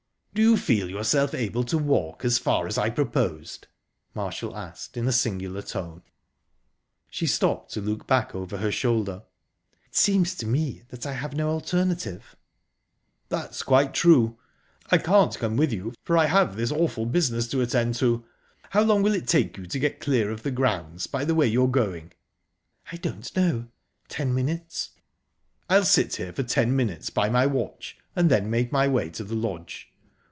"Do you feel yourself able to walk as far as I proposed?" Marshall asked in a singular tone. She stopped to look back over her shoulder. "It seems to me that I have no alternative." "That's quite true. I can't come with you, for I have this awful business to attend to. How long will it take you to get clear of the grounds by the way you're going?" "I don't know ten minutes..." "I'll sit here for ten minutes by my watch, and then make my way to the lodge.